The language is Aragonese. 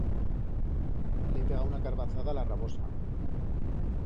Le he pegau una carbazada a la rabosa.